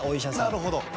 なるほど。